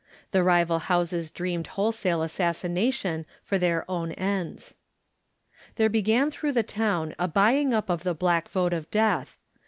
The rival houses dreamed wholesale assassina tion for their own ends. There began through the town a buying up of the black vote of death.